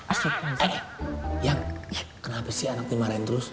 ayah iya kenapa sih anakku marahin terus